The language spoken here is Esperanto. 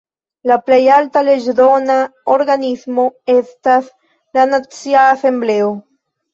La plej alta leĝdona organismo estas la Nacia Asembleo.